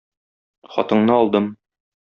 Хатыңны алдым.